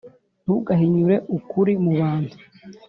Ntugahinyure ukuri mubantu